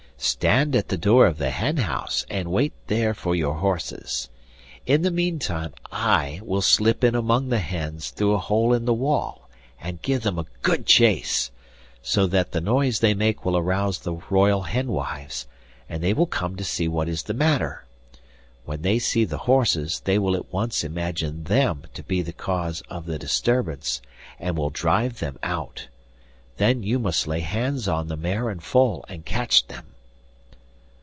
Stand at the door of the hen house, and wait there for your horses. In the meantime I will slip in among the hens through a hole in the wall and give them a good chase, so that the noise they make will arouse the royal henwives, and they will come to see what is the matter. When they see the horses they will at once imagine them to be the cause of the disturbance, and will drive them out. Then you must lay hands on the mare and foal and catch them.